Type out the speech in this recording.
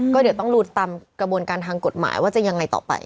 ก็เดี๋ยวต้องดูตามกระบวนการทางกฎหมายว่าจะยังไงต่อไป